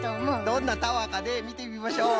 どんなタワーかねみてみましょう。